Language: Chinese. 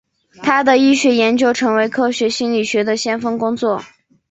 他的医学研究成为科学心理学的先锋工作。